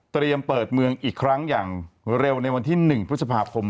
เปิดเมืองอีกครั้งอย่างเร็วในวันที่๑พฤษภาคม